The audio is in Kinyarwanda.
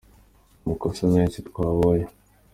Amakosa menshi twabonye.